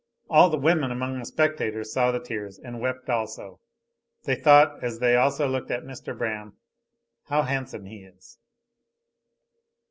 All the women among the spectators saw the tears and wept also. They thought as they also looked at Mr. Braham, how handsome he is!